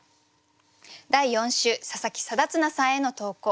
第４週佐佐木定綱さんへの投稿。